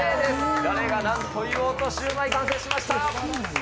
誰がなんと言おうとシューマイ、完成しました。